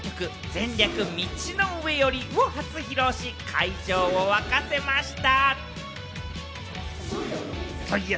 『前略、道の上より』を初披露し、会場を沸かせました。